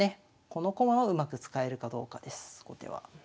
この駒をうまく使えるかどうかです後手は。